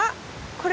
これ。